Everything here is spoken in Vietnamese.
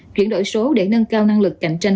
chuyển đổi số để nâng cao năng lực cạnh tranh